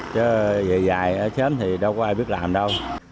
chứ về dài ở chấm thì đâu có ai biết làm đâu